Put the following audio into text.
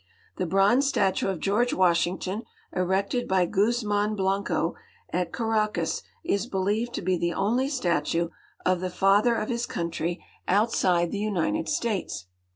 The bronze statue of George Washington erected by Guzman Blanco at Caracas is believed to be the only statue of the Father of his Country outside the United States.